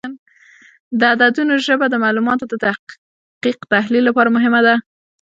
د عددونو ژبه د معلوماتو د دقیق تحلیل لپاره مهمه ده.